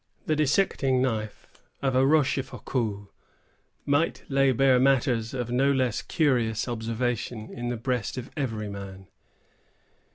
The dissecting knife of a Rochefoucault might lay bare matters of no less curious observation in the breast of every man.